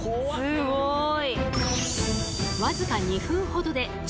すごい。